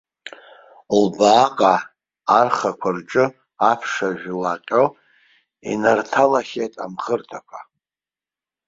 Лбааҟа, архақәа рҿы, аԥшыжәла ҟьо, инарҭалахьеит амхырҭақәа.